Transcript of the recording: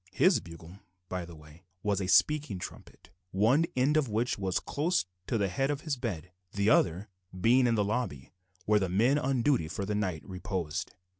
His bugle, by the way, was a speaking trumpet, one end of which was close to the head of his bed, the other end being in the lobby where the men on duty for the night reposed.